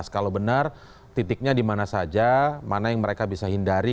kalau benar titiknya di mana saja mana yang mereka bisa hindari